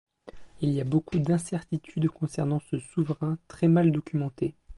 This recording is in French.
Il y a beaucoup d'incertitudes concernant ce souverain très mal documenté.